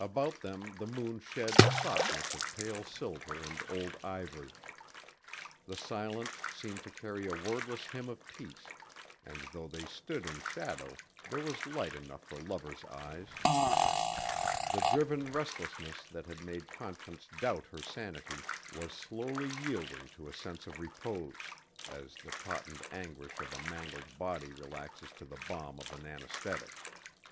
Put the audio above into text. About them the moon shed a softness of pale silver and old ivory. The silence seemed to carry a wordless hymn of peace and though they stood in shadow there was light enough for lovers' eyes. The driven restlessness that had made Conscience doubt her sanity was slowly yielding to a sense of repose, as the tautened anguish of a mangled body relaxes to the balm of an anesthetic.